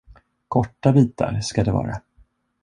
Korta bitar ska det vara.